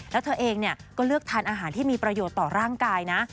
แล้วเธอเองก็เลือกทานอาหารที่มีประโยชน์ต่อร่างกายนะ